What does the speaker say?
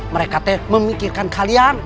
mereka teh memikirkan kalian